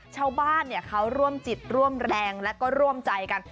ชาวบ้านเขาร่วมจิตร่วมแรงและก็ร่วมใจกัน